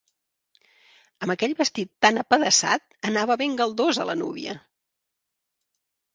Amb aquell vestit tan apedaçat, anava ben galdosa, la núvia!